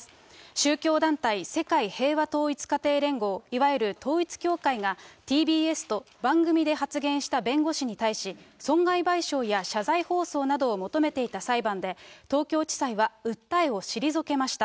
宗教団体世界平和統一家庭連合、いわゆる統一教会が、ＴＢＳと番組で発言した弁護士に対し、損害賠償や謝罪放送などを求めていた裁判で、東京地裁は訴えを退けました。